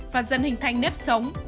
và dân hình thành nếp sống